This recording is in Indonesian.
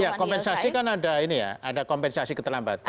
ya kompensasi kan ada ini ya ada kompensasi keterlambatan